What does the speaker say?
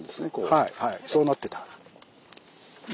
はいはいそうなってた。